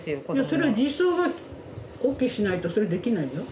それ児相がＯＫしないとそれできないよ。